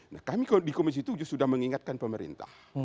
nah kami di komisi tujuh sudah mengingatkan pemerintah